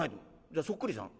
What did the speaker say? じゃあそっくりさん？」。